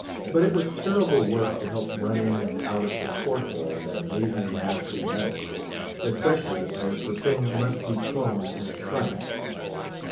But it was terrible work to help run in and out of the porthole that amazing mass of metal, especially as the thing must be clone in a trice.